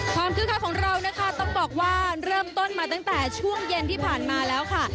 คึกคักของเรานะคะต้องบอกว่าเริ่มต้นมาตั้งแต่ช่วงเย็นที่ผ่านมาแล้วค่ะ